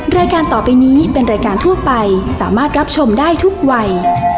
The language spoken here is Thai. รายการต่อไปนี้เป็นรายการทั่วไปสามารถรับชมได้ทุกวัย